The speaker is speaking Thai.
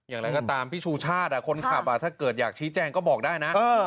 อย่างไรก็ตามพี่ชูชาติคนขับถ้าเกิดอยากชี้แจงก็บอกได้นะ